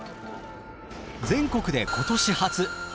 全国で今年初！